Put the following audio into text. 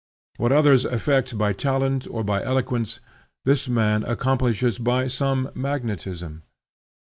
What others effect by talent or by eloquence, this man accomplishes by some magnetism.